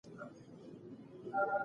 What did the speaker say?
د څېړنې پایلې د خلکو لپاره واضح دي.